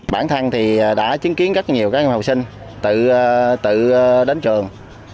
bản thân thì đã chứng kiến rất nhiều các học sinh tự đến trường